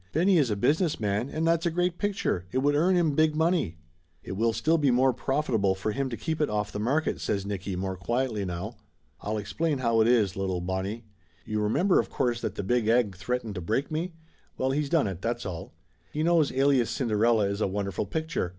"Benny is a business man and that's a great picture. It would earn him big money." "It will be still more profitable for him to keep it off the market," says Nicky more quietly now. "I'll 258 Laughter Limited explain how it is, little Bonnie. You remember, of course, that the Big Egg threatened to break me? Well, he's done it, that's all. He knows Alias Cin derella is a wonderful picture.